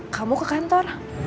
kamu ke kantor